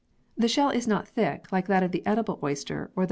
The shell is not thick like that of the edible oyster or Fig.